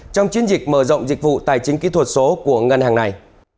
trong chiến dịch mở rộng dịch vụ tài chính kỹ thuật số của ngân hàng này